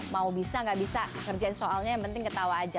mau bisa nggak bisa kerjain soalnya yang penting ketawa aja